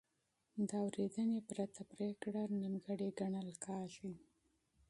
د اورېدنې پرته پرېکړه نیمګړې ګڼل کېږي.